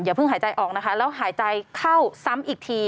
เพิ่งหายใจออกนะคะแล้วหายใจเข้าซ้ำอีกที